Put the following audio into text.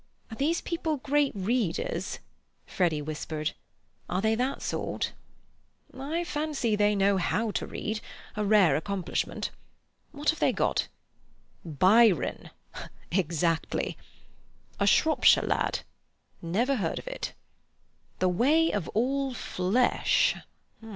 "Are these people great readers?" Freddy whispered. "Are they that sort?" "I fancy they know how to read—a rare accomplishment. What have they got? Byron. Exactly. A Shropshire Lad. Never heard of it. The Way of All Flesh.